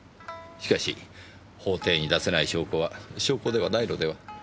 しかし法廷に出せない証拠は証拠ではないのでは？